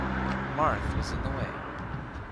Marthe was in the way.